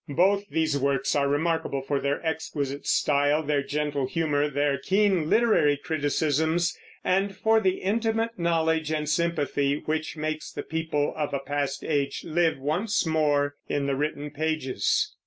Both these works are remarkable for their exquisite style, their gentle humor, their keen literary criticisms, and for the intimate knowledge and sympathy which makes the' people of a past age live once more in the written pages.